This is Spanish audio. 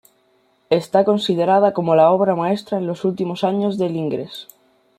Está considerada como la obra maestra de los últimos años de Ingres.